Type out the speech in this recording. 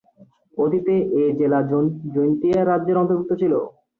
অতীতে এ জেলা জৈন্তিয়া রাজ্যের অন্তর্ভুক্ত ছিল।